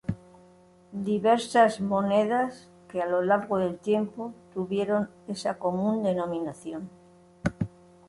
Diversas monedas que a lo largo del tiempo tuvieron esa común denominación.